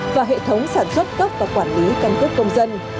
và hệ thống sản xuất cấp và quản lý căn cước công dân